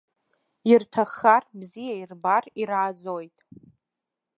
Ирҭаххар, бзиа ирбар, ирааӡоит.